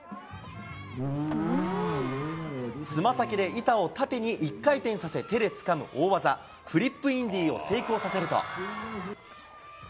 つま先で板を縦に１回転させ、手でつかむ大技、フリップインディを成功させると。